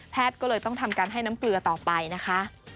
ก็เลยต้องทำการให้น้ำเกลือต่อไปนะคะ